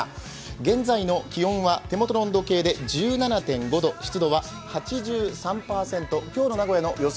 現在の気温は手元の温度計で１７．５度湿度は８３％、今日の名古屋の予想